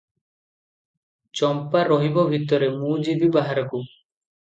ଚମ୍ପା ରହିବ ଭିତରେ, ମୁଁ ଯିବି ବାହାରକୁ!